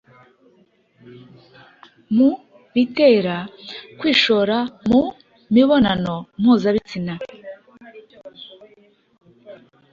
mu bitera kwishora mu mibonano mpuzabitsina,